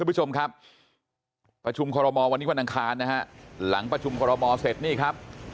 ผู้ชมครับประชุมคอรมอลวันนี้วันอังคารนะฮะหลังประชุมคอรมอเสร็จนี่ครับ